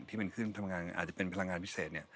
ที่เป็นขึ้นพลังงานอาจจะเป็นพลังงานพิเศษเนี่ย